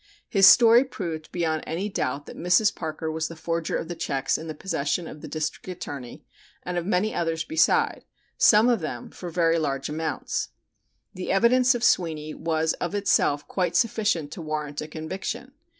His story proved beyond any doubt that Mrs. Parker was the forger of the checks in the possession of the District Attorney, and of many others beside, some of them for very large amounts. The evidence of Sweeney was of itself quite sufficient to warrant a conviction.